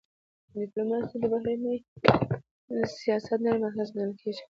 ډيپلوماسي د بهرني سیاست نرم اړخ ګڼل کېږي.